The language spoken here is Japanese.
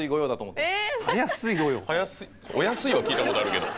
お安いは聞いたことあるけど。